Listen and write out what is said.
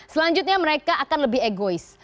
selanjutnya mereka akan lebih egois